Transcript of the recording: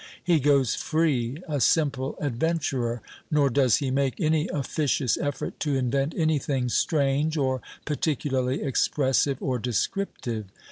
He goes free, a simple adventurer. Nor does he make any officious effort to invent anything strange or particularly expressive or descriptive.